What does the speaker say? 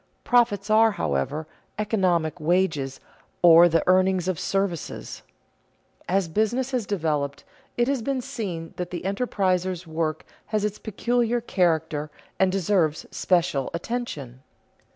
Profits are, however, economic wages or the earnings of services. As business has developed, it has been seen that the enterpriser's work has its peculiar character and deserves special attention.